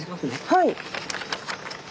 はい。